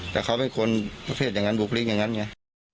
แต่เขาเป็นคนประเภทอย่างนั้นบุคลิกอย่างนั้นไง